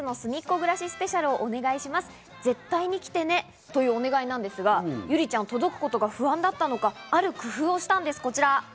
このようなお願いなんですが、ゆりちゃん、届くことが不安だったのか、ある工夫をしたんです、こちら。